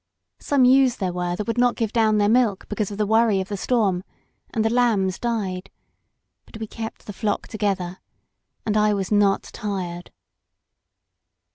Some ewes there were that would not give down their milk because of the worry of the storm, and the lambs died. But we kept the flock together. And I was not tired."